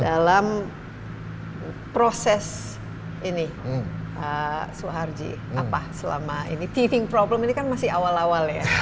dalam proses ini pak suharji apa selama ini teaving problem ini kan masih awal awal ya